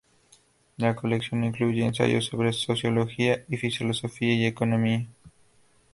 La colección incluye ensayos sobre sociología, filosofía y economía.